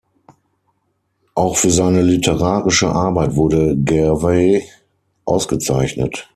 Auch für seine literarische Arbeit wurde Gervais ausgezeichnet.